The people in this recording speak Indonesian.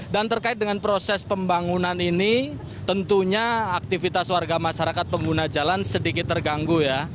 dan terkait dengan proses pembangunan ini tentunya aktivitas warga masyarakat pembunuh jalan sedikit terganggu ya